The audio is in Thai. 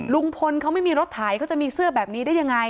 ลุงพลเขาไม่มีรถไถเขาจะมีเสื้อแบบนี้ได้ยังไง